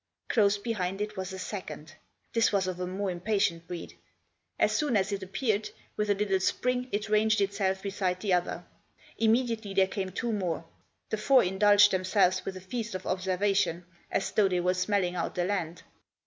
Close behind it was a second. This was of a more impatient breed ; as soon as it appeared, with a little spring it ranged itself beside the other. Imme diately there came two more. The four indulged themselves with a feast of observation, as though they were smelling out the land.